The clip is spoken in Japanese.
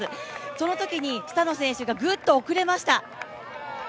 そのときにスタノ選手がぐっと遅れました。